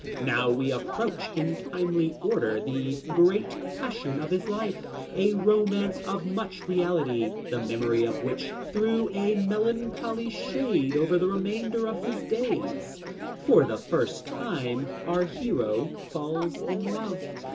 Now we approach in timely order the "grand passion" of his life — a romance of much reality, the memory of which threw a melan choly shade over the remainder of his days. For the first time our hero falls in love.